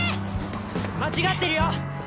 間違ってるよ！